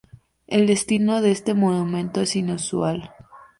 El destino de este monumento es inusual.